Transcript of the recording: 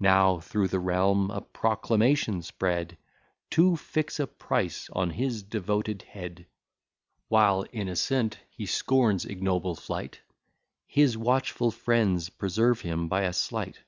Now through the realm a proclamation spread, To fix a price on his devoted head. While innocent, he scorns ignoble flight; His watchful friends preserve him by a sleight.